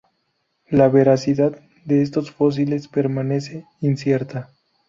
La veracidad de estos fósiles permanece incierta.